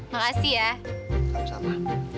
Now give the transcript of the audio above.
makasih ya sama sama